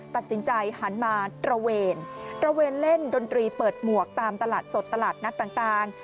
ตัดสินใจหันมาตระเวนตระเวนเล่นดนตรีเปิดหมวกตามตลาดสดตลาดนัดต่าง